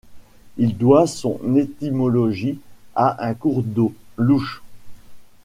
Il doit son étymologie à un cours d'eau, l'Ouche.